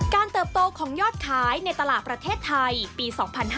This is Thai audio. เติบโตของยอดขายในตลาดประเทศไทยปี๒๕๕๙